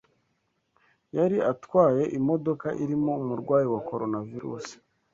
Yari atwaye imodoka irimo umurwayi wa Coronavirusi.